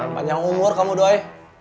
panjang umur kamu doi